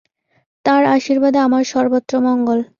তাঁর আশীর্বাদে আমার সর্বত্র মঙ্গল।